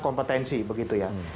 kompetensi begitu ya